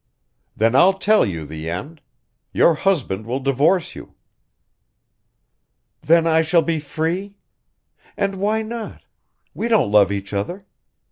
"Then I'll tell you the end. Your husband will divorce you." "Then I shall be free? And why not? We don't love each other.